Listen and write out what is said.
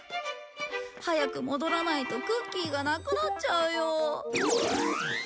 早く戻らないとクッキーがなくなっちゃうよ。